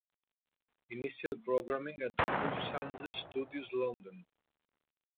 Initial programming at Wolfschanze Studios London.